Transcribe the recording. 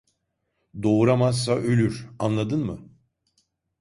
Doğuramazsa ölür. Anladın mı?